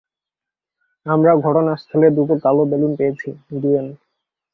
আমরা ঘটনাস্থলে দুটো কালো বেলুন পেয়েছি, গুয়েন।